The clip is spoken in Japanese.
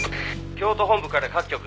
「京都本部から各局」